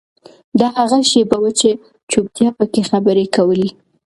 دا هغه شیبه وه چې چوپتیا پکې خبرې کولې.